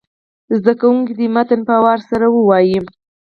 زده کوونکي دې متن په وار سره ولولي.